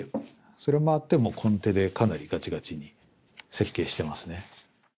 それもあってコンテでかなりがちがちに設計してますね。